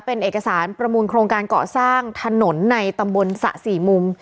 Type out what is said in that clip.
เป็นเอกสารประมูลโครงการเกาะสร้างถนนในตำบลสระสี่มุม